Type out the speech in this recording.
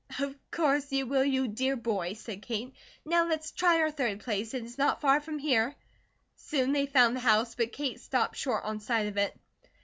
"Of course you will, you dear boy," said Kate. "Now let's try our third place; it is not far from here." Soon they found the house, but Kate stopped short on sight of it.